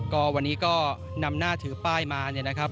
ก็วันนี้ก็นำหน้าถือป้ายมาเนี่ยนะครับ